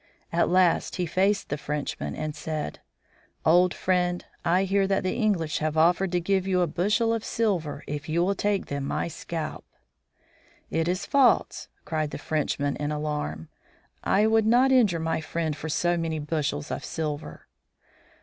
At last he faced the Frenchman and said: "Old friend, I hear that the English have offered to give you a bushel of silver if you will take them my scalp." "It is false," cried the Frenchman in alarm. "I would not injure my friend for many bushels of silver."